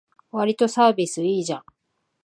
わりとサービスいいじゃん